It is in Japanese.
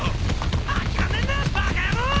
諦めんなバカ野郎！